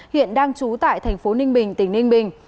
hiện đang trú tại thành phố ninh bình tỉnh ninh bình